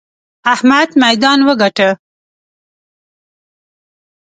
احمد ميدان وګاټه!